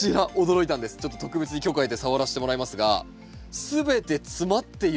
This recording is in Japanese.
ちょっと特別に許可を得て触らせてもらいますが全て詰まっているんです。